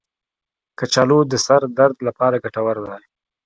کچالو د سر درد لپاره ګټور دی.